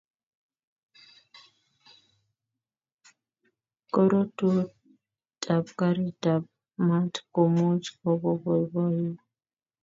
Karotutoitab karitab maat ko much kobo boiboiyo